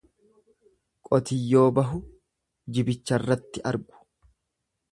Qotiyyoo bahu jibicharratti argu.